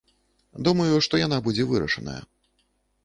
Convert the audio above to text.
Думаю, што яна будзе вырашаная.